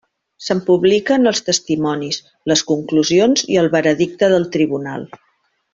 Se’n publiquen els testimonis, les conclusions i el veredicte del Tribunal.